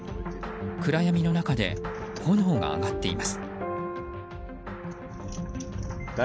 暗闇の中で炎が上がっています。